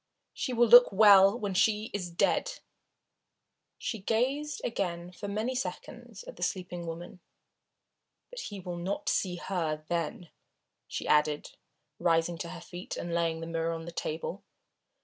"She will look well when she is dead." She gazed again for many seconds at the sleeping woman. "But he will not see her, then," she added, rising to her feet and laying the mirror on the table.